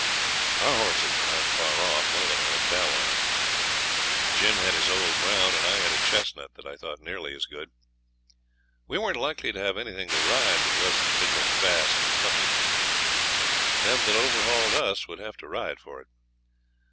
Our horses were not far off; one of them had a bell on. Jim had his old brown, and I had a chestnut that I thought nearly as good. We weren't likely to have anything to ride that wasn't middlin' fast and plucky. Them that overhauled us would have to ride for it.